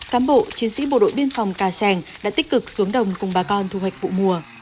cám bộ chiến sĩ bộ đội biên phòng cà sàng đã tích cực xuống đồng cùng bà con thu hoạch vụ mùa